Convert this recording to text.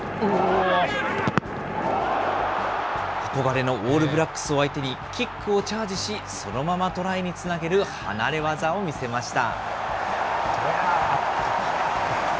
憧れのオールブラックスを相手に、キックをチャージし、そのままトライにつなげる離れ業を見せました。